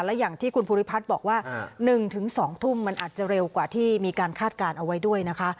และอย่างที่คุณภูริพัฒน์บอกว่า๑๒ทุ่มมันอาจจะเร็วกว่าที่มีการคาดการณ์เอาไว้ด้วยนะคะ